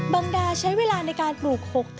บางดาใช้เวลาในการปลูก